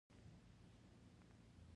مایع د لوښي شکل نیسي.